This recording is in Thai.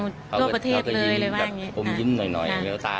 ทั่วประเทศเลยเลยว่าอย่างงี้ผมยิ้มหน่อยหน่อยอย่างงี้แล้วตาม